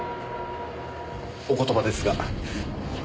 お言葉ですが。